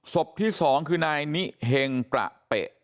ศพที่๒คือนายนิเฮงประเปะ